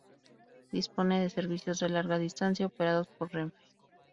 Dispone de servicios de Larga Distancia operados por Renfe.